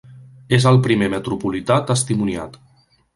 És el primer metropolità testimoniat.